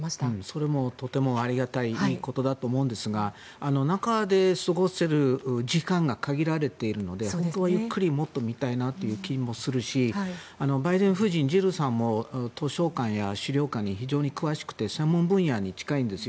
それもとてもありがたいいいことだと思うんですが中で過ごせる時間が限られているので本当はゆっくりもっと見たいなという気もするしバイデンの夫人、ジルさんも図書館や資料館に非常に詳しくて専門分野に近いんです。